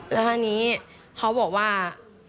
แล้วทีนี้เขาบอกว่า